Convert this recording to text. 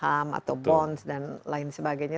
atau saham atau bonds dan lain sebagainya